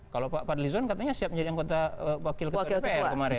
kalau pak dli zon katanya siap jadi angkota wakil ketua